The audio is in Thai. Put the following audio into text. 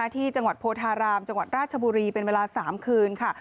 ที่จังหวัดโพธารามจังหวัดราชบุรีเป็นเวลา๓คืนค่ะ